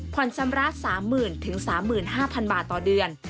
ชำระ๓๐๐๐๓๕๐๐บาทต่อเดือน